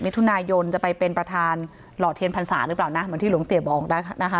มิถุนายนจะไปเป็นประธานหล่อเทียนพรรษาหรือเปล่านะเหมือนที่หลวงเตี๋ยบอกได้นะคะ